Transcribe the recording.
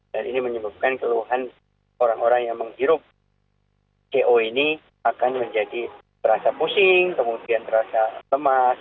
dan ini menyebabkan keluhan orang orang yang menghirup co ini akan menjadi terasa pusing kemudian terasa lemah